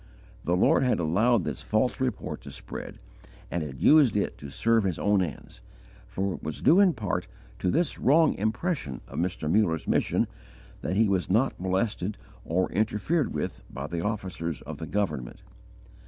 The Lord had allowed this false report to spread and had used it to serve His own ends, for it was due in part to this wrong impression of Mr. Muller's mission that he was not molested or interfered with by the officers of the government.